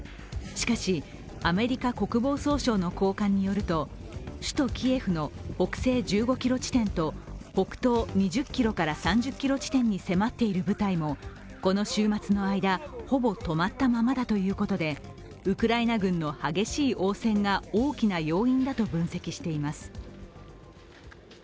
しかし、アメリカ国防総省の高官によると、首都キエフの北西１５ｋｍ地点と北東２０ｋｍから３０ｋｍ地点に迫っている部隊もこの週末の間、ほぼ止まったままだということで、ウクライナ軍の激しい応戦が大きな要因だと分析しています。